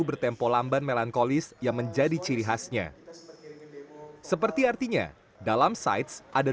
bertempo lamban melankolis yang menjadi ciri khasnya seperti artinya dalam sites ada